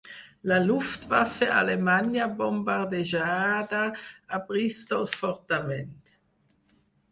La Luftwaffe alemanya bombardejada a Bristol fortament.